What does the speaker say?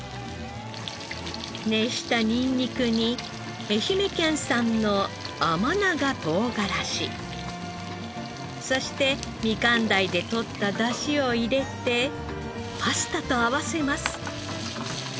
熱したニンニクに愛媛県産の甘長とうがらしそしてみかん鯛でとっただしを入れてパスタと合わせます。